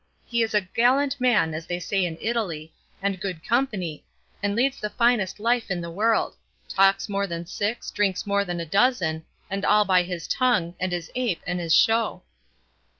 He is a 'gallant man' as they say in Italy, and good company, and leads the finest life in the world; talks more than six, drinks more than a dozen, and all by his tongue, and his ape, and his show."